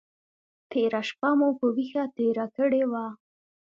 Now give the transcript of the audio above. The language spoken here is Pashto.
تېره شپه مو په ویښه تېره کړې وه.